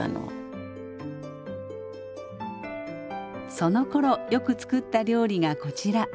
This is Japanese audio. そのころよく作った料理がこちら。